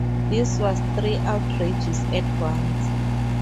This was three 'outrages' at once.